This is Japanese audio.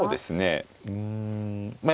うんまあ